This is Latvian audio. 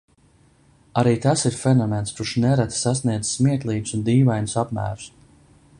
Arī tas ir fenomens, kurš nereti sasniedz smieklīgus un dīvainus apmērus.